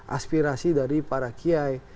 aspirasi dari para kiai